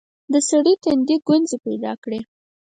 د سړي تندي ګونځې پيداکړې.